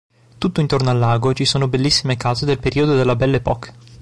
Tutto intorno al lago ci sono bellissime case del periodo della Belle Époque.